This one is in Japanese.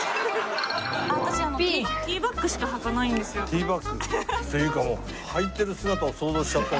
Ｔバックっていうかもうはいてる姿を想像しちゃって。